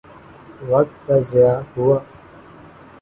وقت کا ضیاع ہوا۔